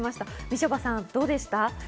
みちょぱさん、どうでした？